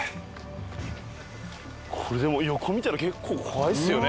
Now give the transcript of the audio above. これでも横見たら結構怖いですよね。